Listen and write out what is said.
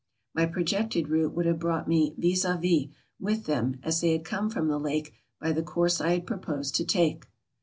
My projected route would have brought me vis a vis with them, as they had come from the lake by the course I had proposed to take.